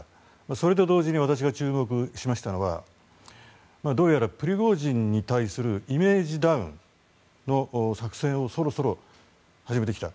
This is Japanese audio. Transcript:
それと同時に私が注目しましたのはどうやらプリゴジンに対するイメージダウンの作戦をそろそろ始めてきた。